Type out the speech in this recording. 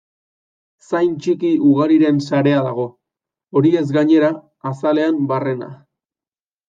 Zain txiki ugariren sarea dago, horiez gainera, azalean barrena.